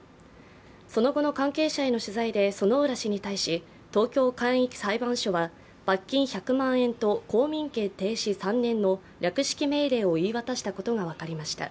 その後の関係者への取材で薗浦氏に対し東京簡易裁判所は、罰金１００万円と公民権停止３年の略式命令を言い渡したことが分かりました。